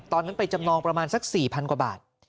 ตอนนั้นไปจำนองประมาณสัก๔๐๐กว่าบาท